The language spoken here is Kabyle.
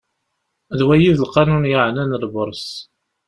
D wagi i d lqanun yeɛnan lberṣ.